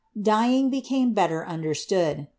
Dyeing became better understood.